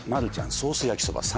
ソース焼そば３